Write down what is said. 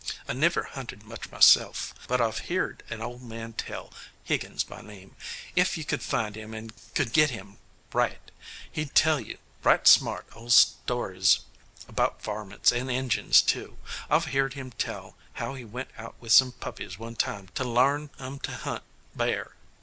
"I niver hunted much myself, but I've heerd an old man tell Higgins by name. Ef you could find him and could get him right, he'd tell you right smart o' stories about varmints, and Injuns too. I've heerd him tell how he went out with some puppies one time to larn 'em to hunt bear.